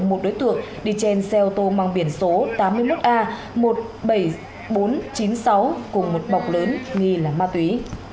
một đối tượng đi trên xe ô tô mang biển số tám mươi một a một mươi bảy nghìn bốn trăm chín mươi sáu cùng một bọc lớn nghi là ma túy